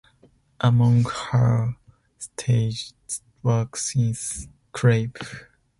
Among her stage works is "Crave".